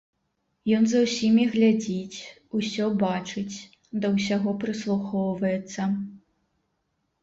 Ён за ўсімі глядзіць, усё бачыць, да ўсяго прыслухоўваецца.